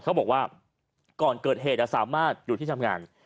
เขาบอกว่าก่อนเกิดเหตุสามารถอยู่ที่ทำงาน